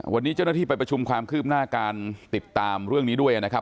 วันนี้เจ้าหน้าที่ไปประชุมความคืบหน้าการติดตามเรื่องนี้ด้วยนะครับ